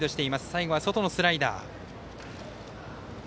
最後は外のスライダー。